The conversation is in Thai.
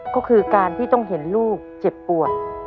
ก็คือการที่ต้องเห็นลูกเจ็บปวด